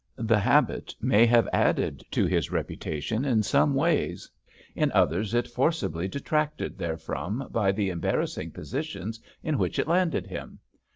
The habit may have added to his reputation in some ways ; in others it forcibly detracted therefrom by the embar rassing positions in which it landed him.